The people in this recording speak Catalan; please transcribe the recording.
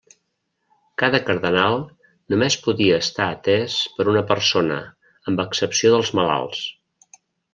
Cada cardenal només podia estar atès per una persona, amb excepció dels malalts.